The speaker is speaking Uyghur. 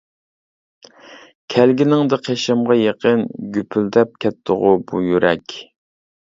كەلگىنىڭدە قېشىمغا يېقىن، گۈپۈلدەپ كەتتىغۇ بۇ يۈرەك.